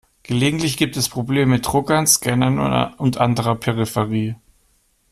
Gelegentlich gibt es Probleme mit Druckern, Scannern und anderer Peripherie.